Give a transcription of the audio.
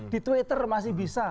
di twitter masih bisa